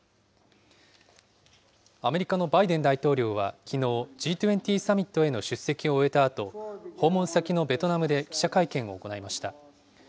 アメリカのバイデン大統領はきのう、Ｇ２０サミットへの出席を終えたあと、訪問先のベトナムで記者会見を行いました。